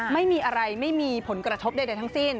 ไม่มีอะไรไม่มีผลกระทบใดทั้งสิ้น